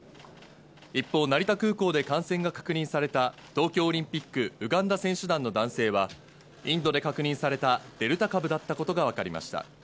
一方、成田空港で感染が確認された東京オリンピック・ウガンダ選手団の男性は、インドで確認されたデルタ株だったことがわかりました。